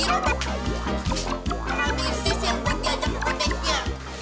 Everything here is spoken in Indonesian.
sisi yang buat diajak kodexnya